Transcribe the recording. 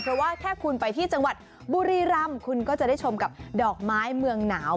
เพราะว่าแค่คุณไปที่จังหวัดบุรีรำคุณก็จะได้ชมกับดอกไม้เมืองหนาว